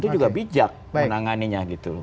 itu juga bijak menanganinya gitu